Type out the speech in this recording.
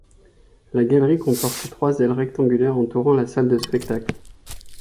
La galerie comporte trois ailes rectangulaires entourant la salle de spectacle.